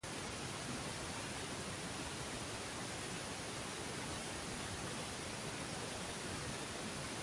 Diciendo: Bienaventurados aquellos cuyas iniquidades son perdonadas, Y cuyos pecados son cubiertos.